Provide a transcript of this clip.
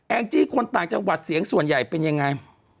จี้คนต่างจังหวัดเสียงส่วนใหญ่เป็นยังไง